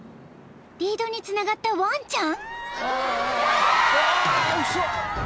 リードにつながったワンちゃん？］